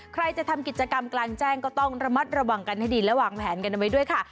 ใครจะทำกิจกรรมกลางแจ้งก็ต้องระมัดระวังกันให้ดีและวางแผนกันเอาไว้ด้วยค่ะ